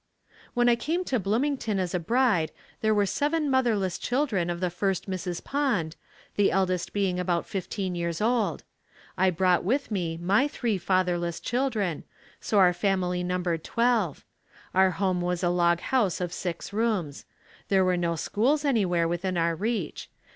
When I came to Bloomington as a bride there were seven motherless children of the first Mrs. Pond, the eldest being about fifteen years old. I brought with me my three fatherless children, so our family numbered twelve. Our home was a log house of six rooms. There were no schools anywhere within our reach.